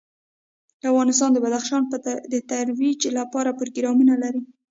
افغانستان د بدخشان د ترویج لپاره پروګرامونه لري.